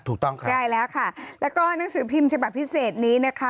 ถูกต้องครับใช่แล้วค่ะแล้วก็หนังสือพิมพ์ฉบับพิเศษนี้นะคะ